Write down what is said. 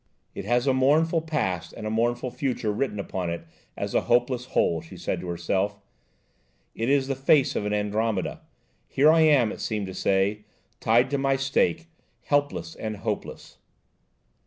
"It has a mournful past and a mournful future written upon it as a hopeless whole," she said to herself. "It is the face of an Andromeda! 'here am I,' it seems to say, 'tied to my stake, helpless and hopeless.'"